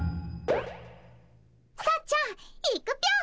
さっちゃんいくぴょん。